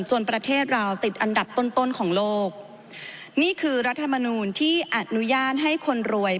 ประเทศเราติดอันดับต้นต้นของโลกนี่คือรัฐมนูลที่อนุญาตให้คนรวย